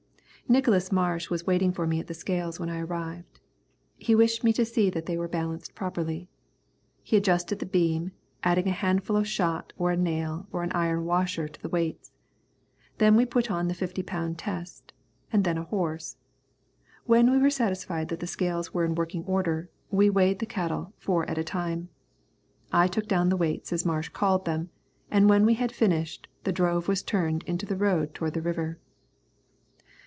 Nicholas Marsh was waiting for me at the scales when I arrived. He wished me to see that they were balanced properly. He adjusted the beam, adding a handful of shot or a nail or an iron washer to the weights. Then we put on the fifty pound test, and then a horse. When we were satisfied that the scales were in working order, we weighed the cattle four at a time. I took down the weights as Marsh called them, and when we had finished, the drove was turned into the road toward the river.